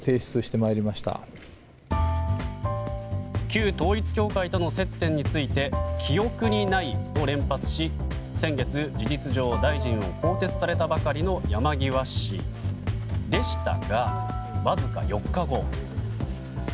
旧統一教会との接点について記憶にないを連発し先月、事実上大臣を更迭されたばかりの山際氏でしたが、わずか４日後。